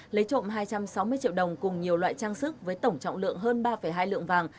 lấy trộm hai trăm sáu mươi triệu đồng cùng nhiều loại trang sức với tổng trọng lượng hơn ba hai lượng vàng